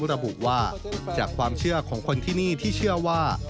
ระบุว่าจากความเชื่อของคนที่นี่ที่เชื่อว่า